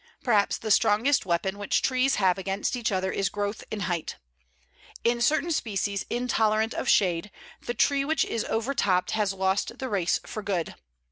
Perhaps the strongest weapon which trees have against each other is growth in height. In certain species intolerant of shade, the tree which is overtopped has lost the race for good.